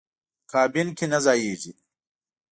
کابین کې نه ځایېږي.